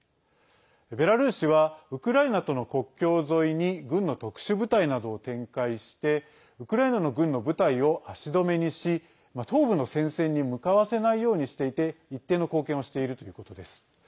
ベラルーシはウクライナとの国境沿いに軍の特殊部隊などを展開してウクライナの軍の部隊を足止めにし、東部の戦線に向かわせないようにしていて一定の貢献をしているということです。